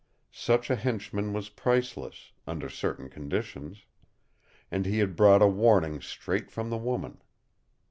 Such a henchman was priceless under certain conditions! And he had brought a warning straight from the woman.